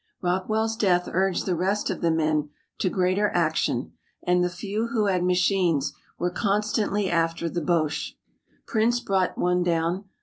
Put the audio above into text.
Rockwell's death urged the rest of the men to greater action, and the few who had machines were constantly after the Boches. Prince brought one down.